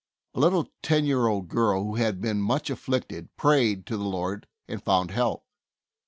A little ten year old girl, who had been much afflicted, prayed to the Lord and found help.